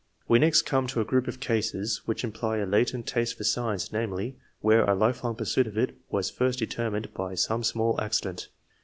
We next come to a group of cases which imply a latent taste for science, namely, where a lifelong pursuit of it was first determined by some small accident.